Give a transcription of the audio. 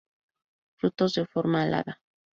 Frutos de forma alada.